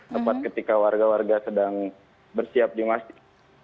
tepat ketika warga warga sedang bersiap di masjid